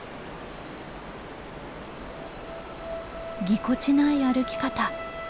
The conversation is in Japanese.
ぎこちない歩き方。